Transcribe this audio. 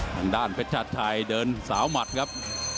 ทางด้านเพชรชาติชายเดินสาวหมัดครับ